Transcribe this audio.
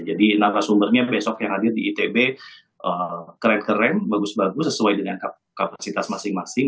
jadi nama sumbernya besok yang hadir di itb keren keren bagus bagus sesuai dengan kapasitas masing masing